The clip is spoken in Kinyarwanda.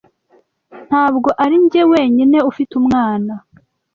Ntabwo arinjye wenyine ufite umwana.